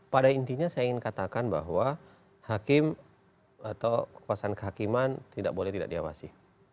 pada intinya saya ingin katakan bahwa hakim atau kekuasaan kehakiman tidak boleh tidak diawasi